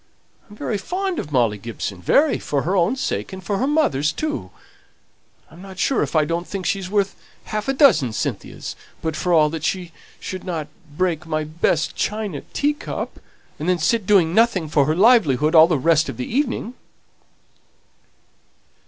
I'm very fond of Molly Gibson, very, for her own sake and for her mother's too; I'm not sure if I don't think she's worth half a dozen Cynthias, but for all that she shouldn't break my best china teacup, and then sit doing nothing for her livelihood all the rest of the evening."